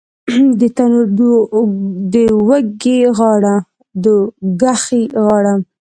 د تنور دوږخي غاړه